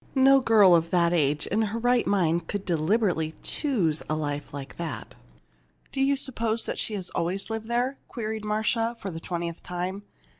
No girl of that age in her right mind could deliberately choose a life like that! "Do you suppose she has always lived there?" queried Marcia, for the twentieth time.